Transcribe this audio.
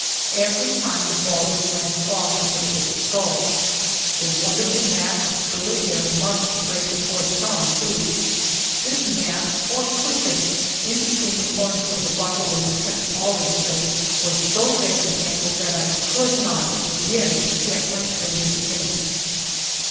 Every time the ball would glance off from the thick skull. The wonderful mat of curly hair must break the force some, too. This mat, or cushion, in between the horns of the buffalo Lieutenant Alden killed, was so thick and tangled that I could not begin to get my fingers in it.